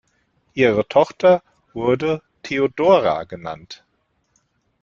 Ihre Tochter wurde "Theodora" genannt.